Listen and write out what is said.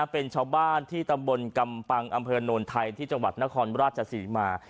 เป็นชาวบ้านที่ตำบรรย์กำปังอำเภณนวลไทยที่จังหวัดนครราชสินติมา